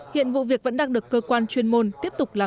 hiện vụ việc vẫn đang được cơ quan chuyên môn tiếp tục làm rõ